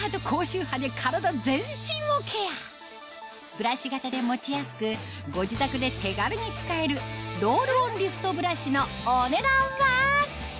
ブラシ型で持ちやすくご自宅で手軽に使えるロールオンリフトブラシののところ。を記念して。